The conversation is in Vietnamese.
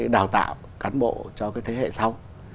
đào tạo cán bộ cho thế hệ sau